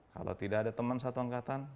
kalau tidak ada teman satu angkatan